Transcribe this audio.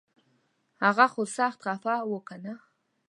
هغه خو سخت خفه و کنه